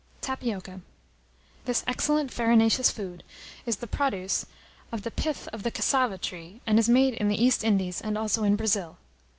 TAPIOCA. This excellent farinaceous food is the produce of the pith of the cassava tree, and is made in the East Indies, and also in Brazil.